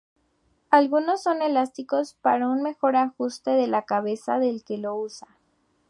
Algunos son elásticos para un mejor ajuste a la cabeza del que lo usa.